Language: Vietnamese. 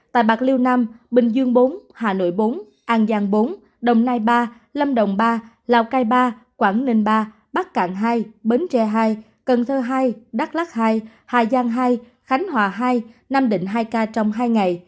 tại bạc liêu nam bình dương bốn hà nội bốn an giang bốn đồng nai ba lâm đồng ba lào cai ba quảng ninh ba bắc cạn hai bến tre hai cần thơ hai đắk lắc hai hà giang hai khánh hòa hai nam định hai ca trong hai ngày